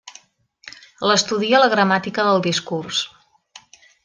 L'estudia la gramàtica del discurs.